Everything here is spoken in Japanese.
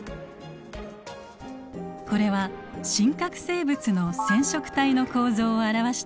これは真核生物の染色体の構造を表したものです。